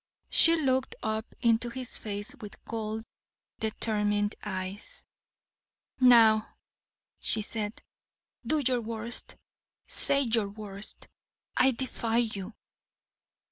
She looked up into his face with cold, determined eyes. "Now," she said, "do your worst; say your worst. I defy you!"